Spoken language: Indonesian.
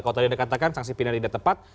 kalau tadi anda katakan sanksi pidana tidak tepat